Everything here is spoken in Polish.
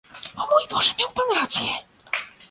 "o mój Boże, miał Pan rację"